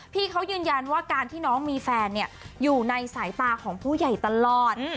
พี่เขายืนยันว่าการที่น้องมีแฟนอยู่ในสายตาของผู้ใหญ่ตลอด